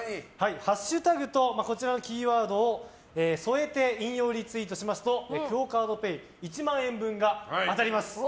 ハッシュタグとこちらのキーワードを添えて引用リツイートしますとＱＵＯカードＰａｙ１万円分が当たります。